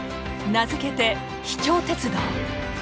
名付けて「秘境鉄道」。